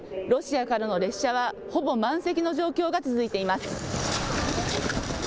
ロシアからの列車は、ほぼ満席の状況が続いています。